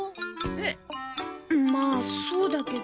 まあそうだけど。